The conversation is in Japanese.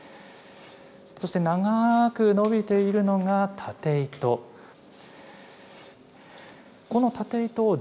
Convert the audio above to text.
そして長く伸びているのが縦糸。